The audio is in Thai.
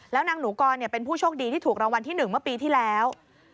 แล้วนางหนูกรเป็นผู้โชคดีที่ถูกรางวัลที่๑เมื่อปีที่แล้ว